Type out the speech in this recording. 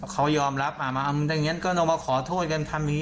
เขายอมรับอ่ะมาเอามันแบบนี้ก็ต้องมาขอโทษกันทำแบบนี้